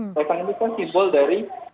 mas kaesang ini kan simbol dari